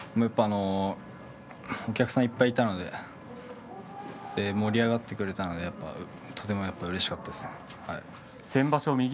お客様がいっぱいいたので盛り上がってくれたのでうれしかったです。